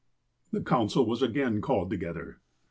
"The council was again called together.